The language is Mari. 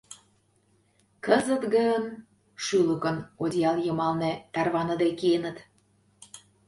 Кызыт гын... шӱлыкын одеял йымалне тарваныде киеныт.